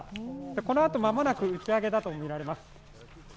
このあと間もなく打ち上げだとみられます。